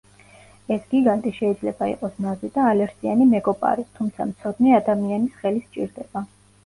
ეს გიგანტი შეიძლება იყოს ნაზი და ალერსიანი მეგობარი, თუმცა მცოდნე ადამიანის ხელი სჭირდება.